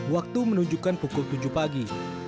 waktu menunjukkan pukul tujuh pagi